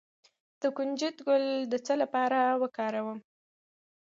د کنجد ګل د څه لپاره وکاروم؟